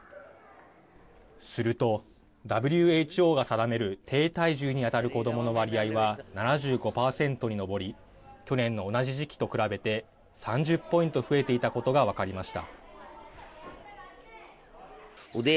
するとＷＨＯが定める低体重に当たる子どもの割合は７５％に上り去年の同じ時期と比べて３０ポイント増えていたことが分かりました。